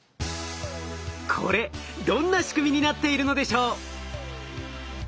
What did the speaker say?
これどんな仕組みになっているのでしょう？